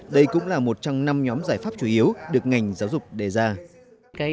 đây cũng là một trong năm nhóm giải pháp chủ yếu được ngành giáo dục đề ra